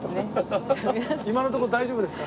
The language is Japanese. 今のところ大丈夫ですか？